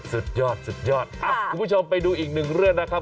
สุดยอดสุดยอดคุณผู้ชมไปดูอีกหนึ่งเรื่องนะครับ